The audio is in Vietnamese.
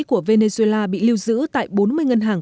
của venezuela bị lưu giữ tại bốn mươi ngân hàng